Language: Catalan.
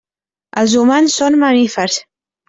Els humans són mamífers.